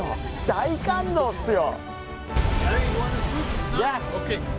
大感動っすよ！